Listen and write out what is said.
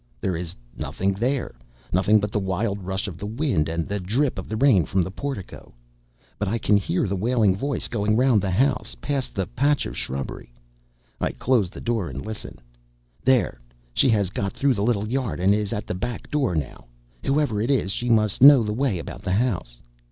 There is nothing there—nothing but the wild rush of the wind and the drip of the rain from the portico. But I can hear the wailing voice going round the house, past the patch of shrubbery. I close the door and listen. There, she has got through the little yard, and is at the back door now. Whoever it is, she must know the way about the house.